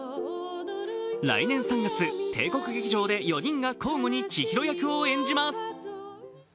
来年３月、帝国劇場で４人が交互に千尋役を演じます。